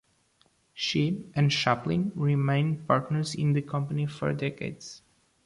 She and Chaplin remained partners in the company for decades.